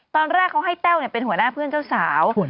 ตอนแรกเขาให้แต้วเป็นหัวหน้าเพื่อนเจ้าสาว